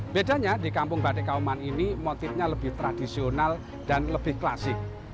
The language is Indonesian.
bedanya di kampung bade kauman ini motifnya lebih tradisional dan lebih klasik